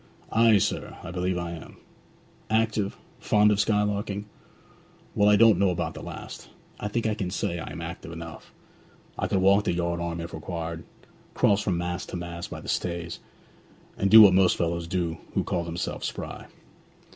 'Ay, sir; I believe I am.' 'Active? Fond of skylarking?' 'Well, I don't know about the last. I think I can say I am active enough. I could walk the yard arm, if required, cross from mast to mast by the stays, and do what most fellows do who call themselves spry.'